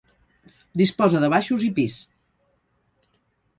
Disposa de baixos i pis.